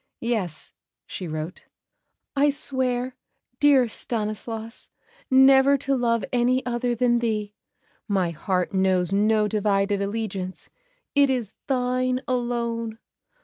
"Yes," she wrote, "I swear, dear Stanislas, never to love any other than thee; my heart knows no divided allegiance. It is thine alone.